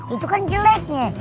itu kan jeleknya